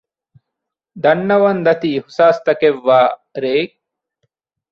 ދަންނަވަން ދަތި އިހުސާސްތަކެއް ވާ ރެއެއް